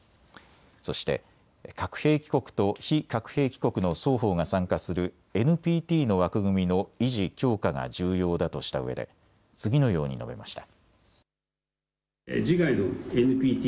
そして核兵器国と非核兵器国の双方が参加するＮＰＴの枠組みの維持・強化が重要だとしたうえで次のように述べました。